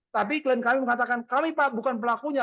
tapi klien kami mengatakan kami pak bukan pelakunya